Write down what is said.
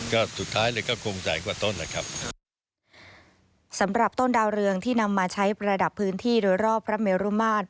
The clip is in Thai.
ก็สุดท้ายเลยก็คงใสกว่าต้นนะครับสำหรับต้นดาวเรืองที่นำมาใช้ประดับพื้นที่โดยรอบพระเมรุมาตร